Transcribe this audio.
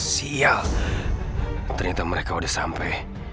sial ternyata mereka udah sampe